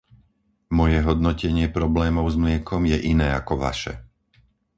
Moje hodnotenie problémov s mliekom je iné ako vaše.